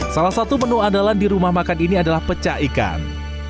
salah satu menu andalan di rumah makan ini adalah pecah ikan